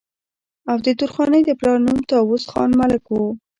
او د درخانۍ د پلار نوم طاوس خان ملک وو